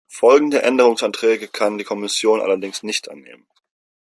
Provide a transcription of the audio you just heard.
Folgende Änderungsanträge kann die Kommission allerdings nicht annehmen.